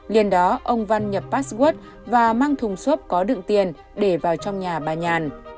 liên đó ông văn nhập password và mang thùng xốp có đựng tiền để vào trong nhà bà nhàn